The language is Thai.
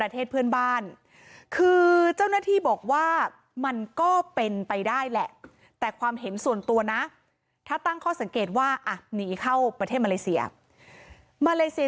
ตัวนะถ้าตั้งข้อสังเกตว่าอ่ะหนีเข้าประเทศมาเลเซียมาเลเซีย